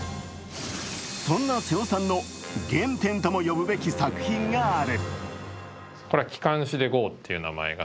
そんな瀬尾さんの原点とも呼ぶべき作品がある。